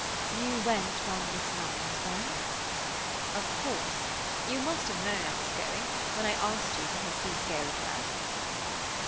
"You went when Miss Nunn was there?" "Of course. You must have known I was going, when I asked you for her Seascale address."